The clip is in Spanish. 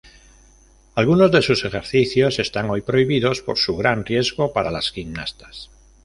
Algunos de sus ejercicios están hoy prohibidos por su gran riesgo para las gimnastas.